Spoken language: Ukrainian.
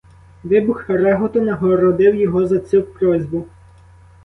Вибух реготу нагородив його за цю просьбу.